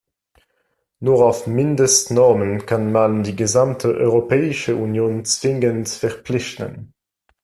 Nur auf Mindestnormen kann man die gesamte Europäische Union zwingend verpflichten.